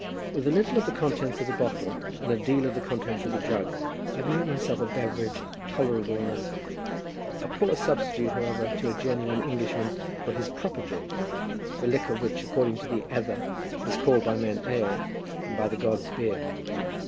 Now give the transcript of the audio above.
With a little of the contents of the bottle, and a deal of the contents of the jug, I made myself a beverage tolerable enough; a poor substitute, however, to a genuine Englishman for his proper drink, the liquor which, according to the Edda, is called by men ale, and by the gods, beer.